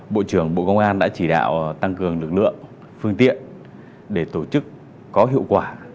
bộ trưởng bộ công an đã chỉ đạo tăng cường lực lượng phương tiện để tổ chức có hiệu quả